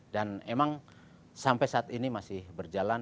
dan emang sampai saat ini masih berjalan